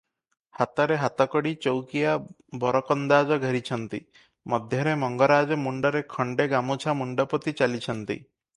ହାତରେ ହାତକଡ଼ି, ଚୌକିଆ ବରକନ୍ଦାଜ ଘେରିଛନ୍ତି, ମଧ୍ୟରେ ମଙ୍ଗରାଜେ ମୁଣ୍ତରେ ଖଣ୍ତେ ଗାମୁଛା ମୁଣ୍ତପୋତି ଚାଲିଛନ୍ତି ।